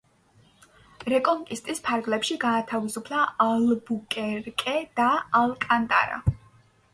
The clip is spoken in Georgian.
რეკონკისტის ფარგლებში გაათავისუფლა ალბუკერკე და ალკანტარა.